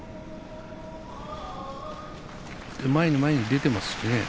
前に前に出ていますしね。